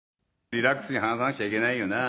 「リラックスに話さなくちゃいけないよな」